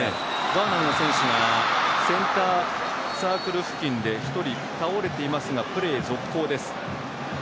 ガーナの選手がセンターサークル付近で１人、倒れていますがプレー続行です。